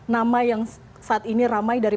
nama yang saat ini ramai dari